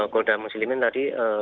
kopda muslimin tadi